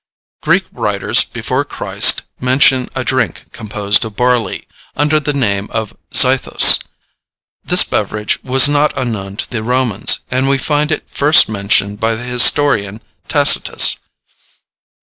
Greek writers before Christ mention a drink composed of barley, under the name of zythos. This beverage was not unknown to the Romans, and we find it first mentioned by the historian Tacitus.